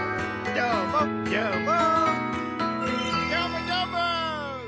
どーも、どーも！